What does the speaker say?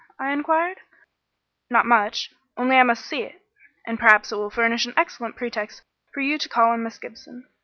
I inquired. "Not much; only I must see it. And perhaps it will furnish an excellent pretext for you to call on Miss Gibson.